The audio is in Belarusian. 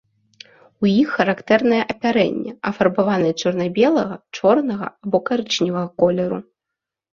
У іх характэрнае апярэнне, афарбаванае чорна-белага, чорнага або карычневага колеру.